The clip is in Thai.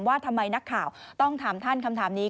ว่าทำไมนักข่าวต้องถามท่านคำถามนี้